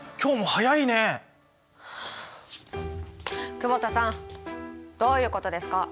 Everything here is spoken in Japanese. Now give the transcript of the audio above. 久保田さんどういうことですか？